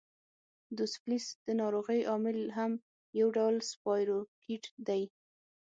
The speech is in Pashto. دوسفلیس د ناروغۍ عامل هم یو ډول سپایروکیټ دی.